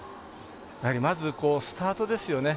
やはりまずスタートですよね。